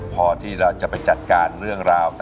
พอที่เราจะไปจัดการเรื่องราว